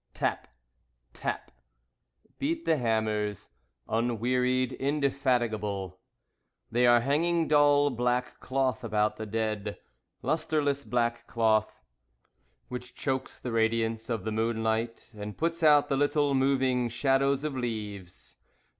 Tap! Tap! Beat the hammers, Unwearied, indefatigable. They are hanging dull black cloth about the dead. Lustreless black cloth Which chokes the radiance of the moonlight And puts out the little moving shadows of leaves.